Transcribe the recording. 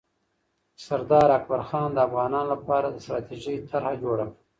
سردار اکبرخان د افغانانو لپاره د ستراتیژۍ طرحه جوړه کړه.